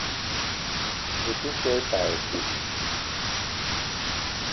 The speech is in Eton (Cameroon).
Ou te so i pas ipee?